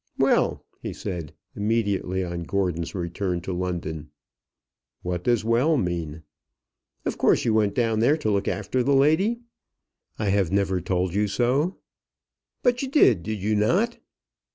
"Well!" he said, immediately on Gordon's return to London. "What does 'well' mean?" "Of course you went down there to look after the lady." "I have never told you so." "But you did did you not?"